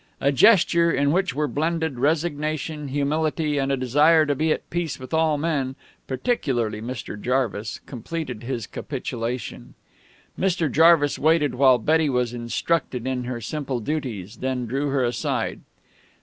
A gesture, in which were blended resignation, humility, and a desire to be at peace with all men, particularly Mr. Jarvis, completed his capitulation. Mr. Jarvis waited while Betty was instructed in her simple duties, then drew her aside.